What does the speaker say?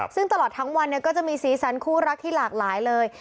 ซึ่งตลอดทั้งวันก็จะมีสีสันคู่รักที่หลากหลายเลย